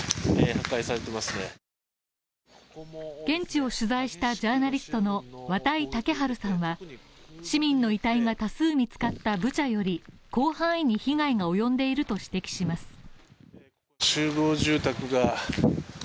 現地を取材したジャーナリストの綿井健陽さんは、市民の遺体が多数見つかったブチャより広範囲に被害が及んでいると指摘します。